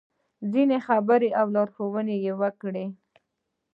خپلې خبرې او لارښوونې یې وکړې.